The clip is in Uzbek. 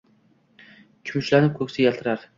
Kumushlanib, ko’ksi yaltirar.